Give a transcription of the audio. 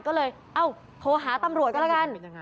ก็เลยเอ้าโทรหาตำรวจก็แล้วกัน